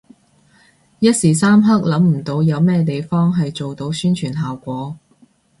一時三刻諗唔到有咩地方係做到宣傳效果